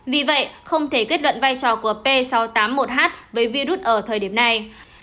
vì vậy không thể kết luận vai trò của p sáu trăm tám mươi một h với virus ở thời điểm này